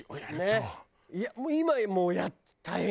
いや今もう大変よ。